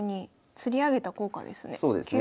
つり上げた効果ですね。